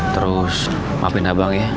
terus maafin abang ya